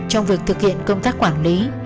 trong việc thực hiện công tác quản lý